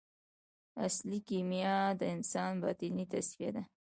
اصلي کیمیا د انسان باطني تصفیه ده.